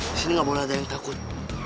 di sini nggak boleh ada yang takut